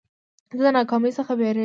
زه د ناکامۍ څخه بېرېږم.